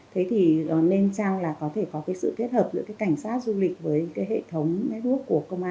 thế thì nên chăng là có thể có cái sự kết hợp được cái cảnh sát du lịch với cái hệ thống nét bước của công an